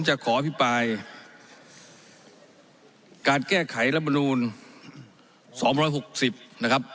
จะขอพิปายการแก้ไขรบณูนสองร้อยหกสิบนะครับ